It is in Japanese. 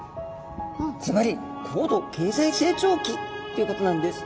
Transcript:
ずばり高度経済成長期ということなんです。